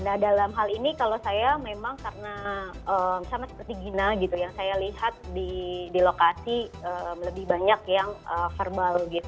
nah dalam hal ini kalau saya memang karena sama seperti gina gitu yang saya lihat di lokasi lebih banyak yang verbal